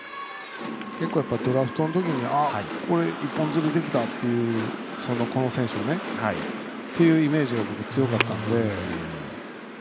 やっぱりドラフトのときに一本釣りできたっていうこの選手をっていうイメージが僕、強かったんで。